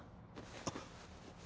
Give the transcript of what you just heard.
あっ。